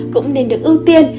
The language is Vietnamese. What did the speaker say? cũng nên được ưu tiên